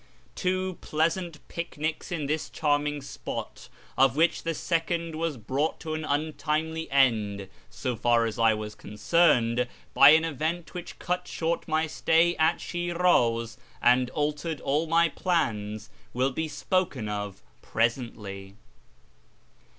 Two pleasant picnics in this charming spot (of which the second was brought to an untimely end, so far as I was concerned, by an event which cut short my stay at Shin'iz and altered all my plans) will be spoken of presently.